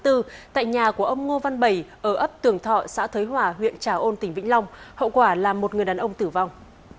tại nhà của ông ngô văn bảy ở ấp tường thọ xã thới hỏa huyện trà ôn tỉnh vĩnh long hậu quả là một người đàn ông tử vong